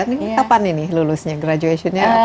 ini kapan ini lulusnya graduation nya